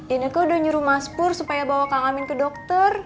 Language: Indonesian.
ini ke udah nyuruh mas pur supaya bawa kak amin ke dokter